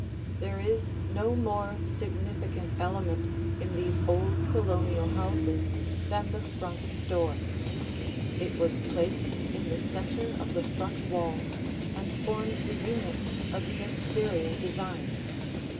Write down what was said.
There is no more significant element in these old Colonial houses than the front door. It was placed in the center of the front wall and formed the unit of the exterior design.